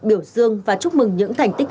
biểu dương và chúc mừng những thành tích